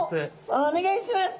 おっお願いします。